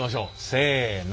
せの。